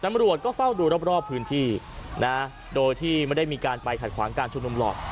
ตำรวจก็เฝ้าดูรอบพื้นที่นะโดยที่ไม่ได้มีการไปขัดขวางการชุมนุมหรอก